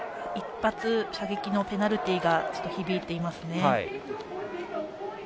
１発射撃のペナルティーがひびいていますね。